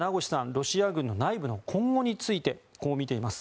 ロシア軍内部の今後についてこう見ています。